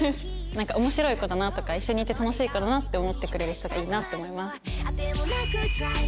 なんか面白い子だなとか一緒にいて楽しい子だなって思ってくれる人がいいなって思います。